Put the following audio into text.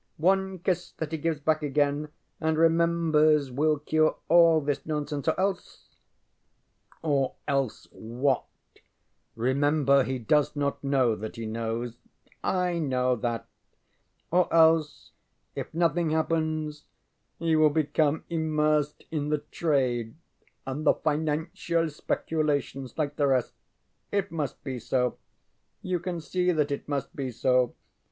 One kiss that he gives back again and remembers will cure all this nonsense, or else ŌĆØ ŌĆ£Or else what? Remember he does not know that he knows. ŌĆØ ŌĆ£I know that. Or else, if nothing happens he will become immersed in the trade and the financial speculations like the rest. It must be so. You can see that it must be so.